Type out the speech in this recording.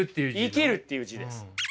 生きるっていう字です。